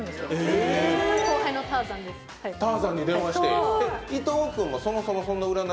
ターザンに電話して？